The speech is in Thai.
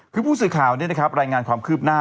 คือผู้สื่อข่าวเนี่ยนะครับรายงานความคืบหน้า